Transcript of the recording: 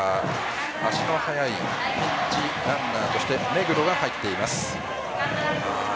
足の速いピンチランナーとして目黒が入っています。